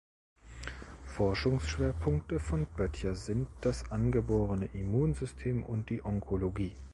Forschungsschwerpunkte von Boettcher sind das angeborene Immunsystem und die Onkologie.